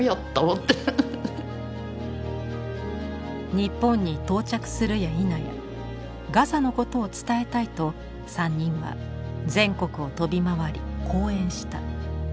日本に到着するやいなやガザのことを伝えたいと３人は全国を飛び回り講演した。